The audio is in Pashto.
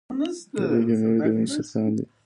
د لیوکیمیا د وینې سرطان دی.